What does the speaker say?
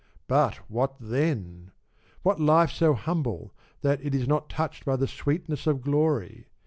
But what then ! What life so humble that it is not touched by the sweetness of glory